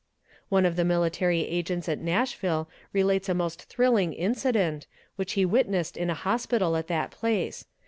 One of the military agents at Nashville relates a most thrilling incident, which he witnessed in a hospital at that place.